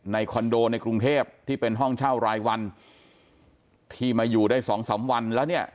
คอนโดในกรุงเทพที่เป็นห้องเช่ารายวันที่มาอยู่ได้สองสามวันแล้วเนี่ย